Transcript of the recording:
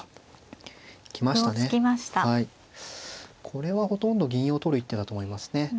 これはほとんど銀を取る一手だと思いますね。